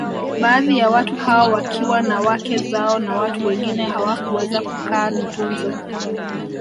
Baadhi ya watu hao wakiwa na wake zao na watu wengine hawakuweza kukaa Ntunzu